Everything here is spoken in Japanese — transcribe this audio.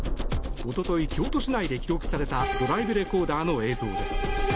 おととい、京都市内で記録されたドライブレコーダーの映像です。